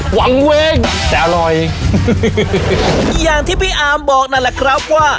หวังเวงจะอร่อยอย่างที่พี่อามบอกนั่นแหละครับว่า